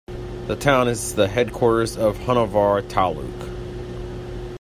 The town is the headquarters of Honnavar Taluk.